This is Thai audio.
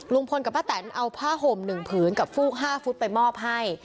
ลุงพลกับป้าแตนเอาผ้าห่ม๑ผืนกับฟูก๕ฟุตไปมอบให้